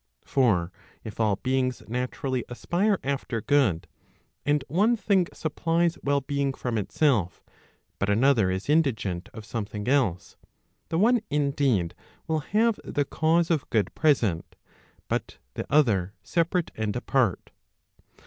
307 For if all beings naturally aspire after good, and one thing supplies well being from itself, ' but another is indigent of something else, the one indeed will have the cause of good present, but the other separate and apart.